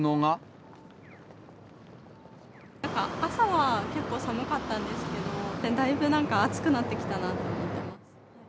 なんか朝は結構寒かったんですけど、だいぶなんか暑くなってきたなと思ってます。